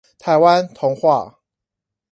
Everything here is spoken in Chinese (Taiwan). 臺灣童話